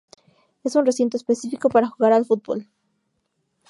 Es un recinto específico para jugar al fútbol.